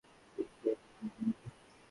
তুই খেয়ে নে, মিম্মি।